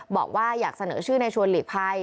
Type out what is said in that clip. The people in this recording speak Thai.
บอกว่าอยากเสนอชื่อในชวนหลีกภัย